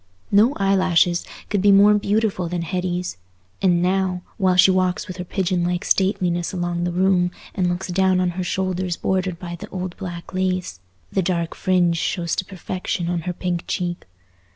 No eyelashes could be more beautiful than Hetty's; and now, while she walks with her pigeon like stateliness along the room and looks down on her shoulders bordered by the old black lace, the dark fringe shows to perfection on her pink cheek.